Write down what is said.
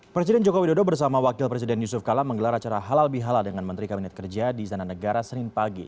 presiden joko widodo bersama wakil presiden yusuf kala menggelar acara halal bihala dengan menteri kabinet kerja di sana negara senin pagi